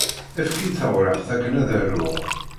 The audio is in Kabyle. Efk-iyi-d tawriqt akken ad aruɣ!